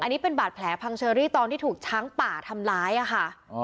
อันนี้เป็นบาดแผลพังเชอรี่ตอนที่ถูกช้างป่าทำร้ายค่ะ